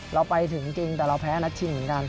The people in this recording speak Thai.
เราไปถึงจริงแต่เราแพ้นัดชิงเหมือนกัน